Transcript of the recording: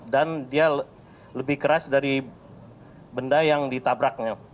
dan dia lebih keras dari benda yang ditabraknya